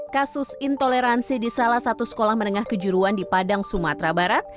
kasus intoleransi di salah satu sekolah menengah kejuruan di padang sumatera barat